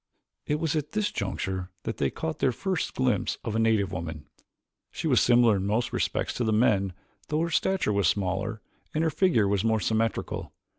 It was at this juncture that they caught their first glimpse of a native woman. She was similar in most respects to the men though her stature was smaller and her figure more symmetrical.